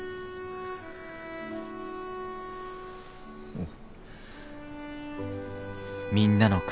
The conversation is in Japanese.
うん。